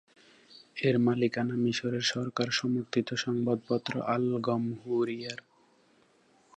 এর মালিকানা মিসরের সরকার সমর্থিত সংবাদপত্র "আল গমহুরিয়ার।"